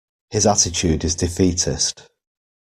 His attitude is defeatist.